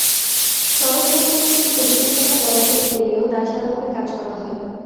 সড়ক সংস্কারের জন্য কোটি কোটি টাকা বরাদ্দ এলেও দায়সারাভাবে কাজ করা হয়।